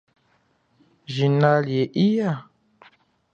Jina lie iya?